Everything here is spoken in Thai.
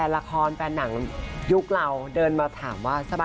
คุณผู้ชมไม่เจนเลยค่ะถ้าลูกคุณออกมาได้มั้ยคะ